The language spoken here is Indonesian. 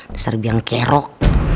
deser biang kerok